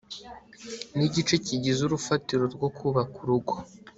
ni igice kigize urufatiro rwo kubaka urugo